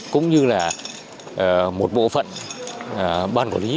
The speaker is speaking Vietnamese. cũng như là một bộ phận ban quản lý